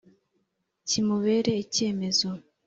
Kimubera icyemezo